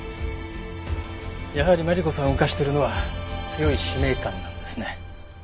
やはりマリコさんを動かしているのは強い使命感なんですね。